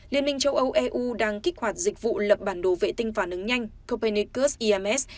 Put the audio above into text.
liên minh châu âu eu đang kích hoạt dịch vụ lập bản đồ vệ tinh phản ứng nhanh copenecus ims